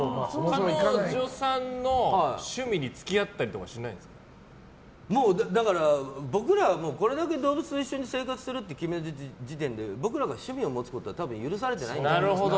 彼女さんの趣味に付き合ったりとかは僕らはこれだけ動物と一緒に生活してるって決めてる時点で僕らが趣味を持つことは多分、許されていないんだよ。